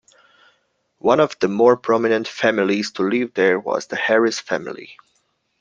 One of the more prominent families to live there was the Harris family.